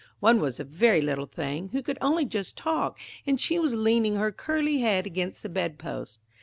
One was a very little thing, who could only just talk, and she was leaning her curly head against the bed post.